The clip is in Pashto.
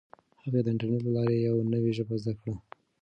هغې د انټرنیټ له لارې یوه نوي ژبه زده کړه.